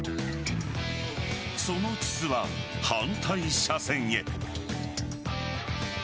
その筒は反対車線へ。